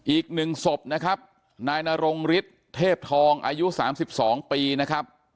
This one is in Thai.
อีกหนึ่งศพนะครับนายนรงฤทธิ์เทพทองอายุสามสิบสองปีนะครับ